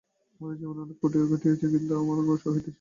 আমাদের জীবনে অনেক ত্রুটি ঘটিয়াছে, কিন্তু আমরা অগ্রসর হইতেছি।